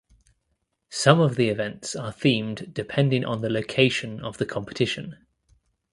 Some of the events are themed depending on the location of the competition.